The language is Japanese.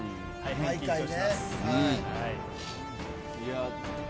毎回ね。